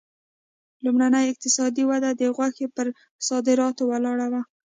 لومړنۍ اقتصادي وده د غوښې پر صادراتو ولاړه وه.